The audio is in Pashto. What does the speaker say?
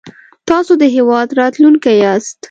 تاسو د هېواد راتلونکی ياست